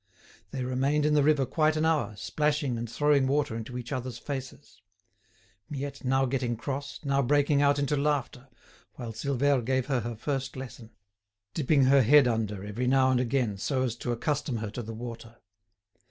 They remained in the river quite an hour, splashing and throwing water into each other's faces; Miette now getting cross, now breaking out into laughter, while Silvère gave her her first lesson, dipping her head under every now and again so as to accustom her to the water.